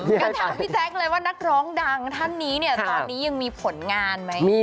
งั้นถามพี่แจ๊คเลยว่านักร้องดังท่านนี้เนี่ยตอนนี้ยังมีผลงานไหม